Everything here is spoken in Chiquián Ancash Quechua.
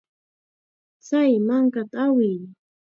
Chay mankata awiy.